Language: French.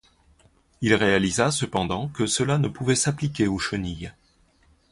Il réalisa cependant que cela ne pouvait s'appliquer aux chenilles.